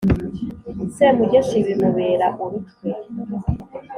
semugeshi bimubera urutwe;